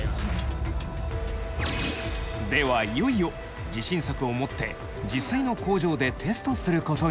ではいよいよ自信作を持って実際の工場でテストすることに。